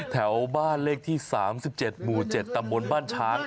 แถวบ้านเลขที่๓๗หมู่๗ตำบลบ้านช้าง